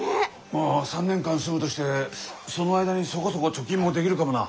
まあ３年間住むとしてその間にそこそこ貯金もできるかもな。